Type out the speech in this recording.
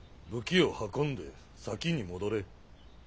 武器を運んで先に戻れ。